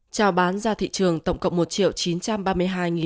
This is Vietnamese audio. trao bán ra thị trường tổng cộng một chín trăm linh